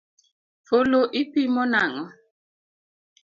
Fulu ipimo nang’o?